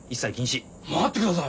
待ってください。